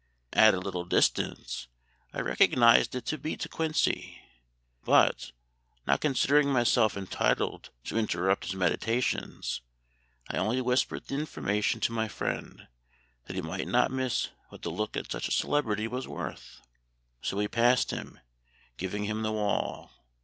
At a little distance I recognised it to be De Quincey; but, not considering myself entitled to interrupt his meditations, I only whispered the information to my friend, that he might not miss what the look at such a celebrity was worth. So we passed him, giving him the wall.